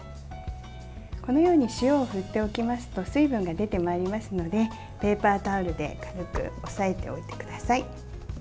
このように塩を振っておきますと水分が出てまいりますのでペーパータオルで軽く押さえておいてください。